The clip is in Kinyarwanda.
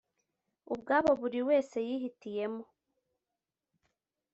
ubwabo buri wese yihitiyemo